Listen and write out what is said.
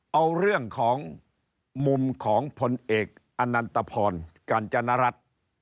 เอาเรื่องของมุมของผลเอกอันนันตภรณ์การจรรย์รัฐ